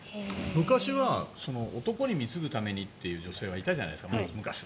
昔は男に貢ぐためにという女性いたじゃないですか。